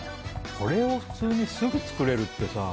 これを普通にすぐ作れるってさ。